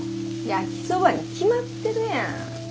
焼きそばに決まってるやん。